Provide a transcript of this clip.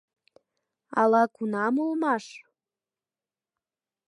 Ала-кунам улмаш.